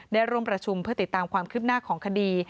ได้ร่วมประชุมเพื่อติดตามความคืบหน้าของคดี